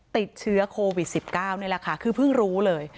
ติดเชื้อโควิด๑๙นี่แหละค่ะคือเพิ่งรู้เลย